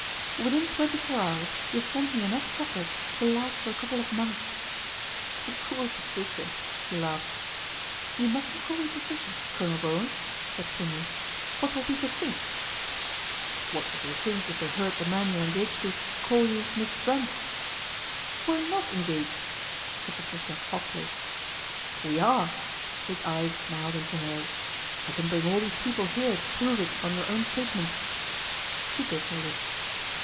" Within twenty four hours you have sent me enough chocolates to last for a couple of months/' " Poor Patricia !" he laughed. " You mustn't call me Patricia, Colonel Bowen," she said primly. " What will people think ?"" What would they think if they heard the man you're engaged to call you Miss Brent ?"" We are not engaged," said Patricia hotly. " We are," his eyes smiled into hers. " I can bring all these people here to prove it on your own statement." She bit her lip.